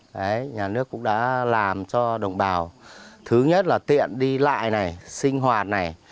đấy nhà nước cũng đã làm cho đồng bào thứ nhất là tiện đi lại này sinh hoạt này